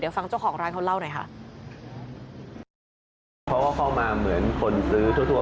เดี๋ยวฟังเจ้าของร้านเขาเล่าหน่อยฮะเพราะว่าเขามาเหมือนคนซื้อทั่ว